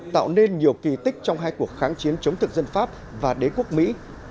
tạo nên nhiều kỳ tích trong hai cuộc kháng chiến chống thực dân pháp và đế quốc mỹ